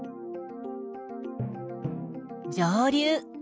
上流。